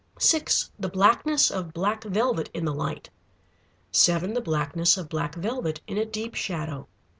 (6) The blackness of black velvet in the light. (7) The blackness of black velvet in a deep shadow.